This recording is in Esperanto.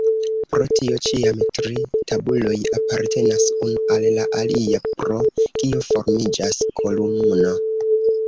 Pro tio ĉiam tri tabuloj apartenas unu al la alia, pro kio formiĝas kolumno.